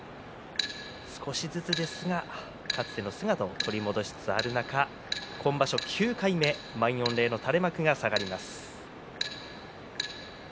少しずつですが、かつての姿を取り戻しつつある中今場所９回目の満員御礼の垂れ幕が下がります。